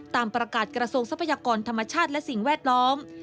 ตามประกาศกระทรวงทรัพยากรธรรมชาติและสิ่งแวดล้อม